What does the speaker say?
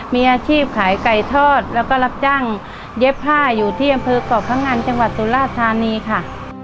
มีอาชีพขายไก่ทอดแล้วก็รับจ้างเย็บผ้าอยู่ที่อำเภอกเกาะพังอันจังหวัดสุราธานีค่ะ